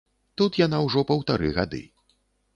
Тут яна ўжо паўтары гады.